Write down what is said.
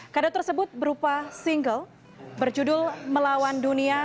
kada tersebut berupa single berjudul melawan dunia